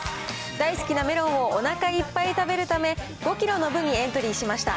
大好きなメロンをおなかいっぱい食べるため、５キロの部にエントリーしました。